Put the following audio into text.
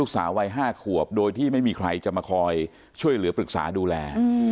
สาววัย๕ขวบโดยที่ไม่มีใครจะมาคอยช่วยเหลือปรึกษาดูแล